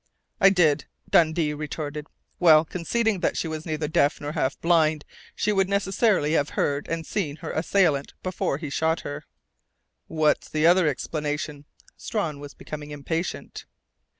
"I did," Dundee retorted. "Well, conceding that she was neither deaf nor half blind, she would necessarily have heard and seen her assailant before he shot her." "What's the other explanation?" Strawn was becoming impatient.